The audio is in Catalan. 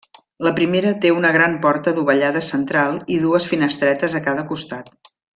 La primera té una gran porta dovellada central i dues finestretes a cada costat.